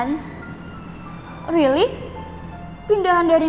kalau ada yang di sini